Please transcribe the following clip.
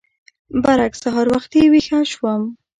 برعکس سهار وختي ويښه شوم.